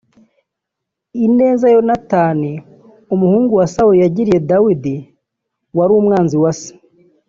Ineza Yonatani umuhungu wa Sawuli yagiriye Dawidi wari umwanzi wa Se